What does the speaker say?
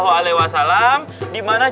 zaman dulu itu belum ada handphone